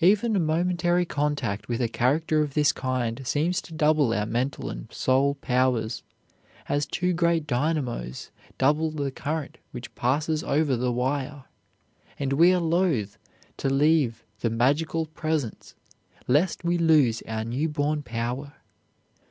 Even a momentary contact with a character of this kind seems to double our mental and soul powers, as two great dynamos double the current which passes over the wire, and we are loath to leave the magical presence lest we lose our new born power.